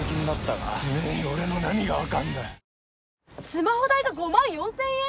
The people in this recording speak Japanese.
スマホ代が５万４，０００円！？